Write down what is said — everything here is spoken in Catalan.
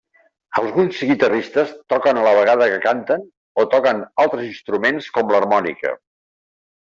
Alguns guitarristes toquen a la vegada que canten o toquen altres instruments, com l'harmònica.